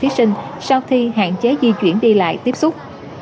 thí sinh sau khi hạn chế di chuyển đi lại tiếp xúc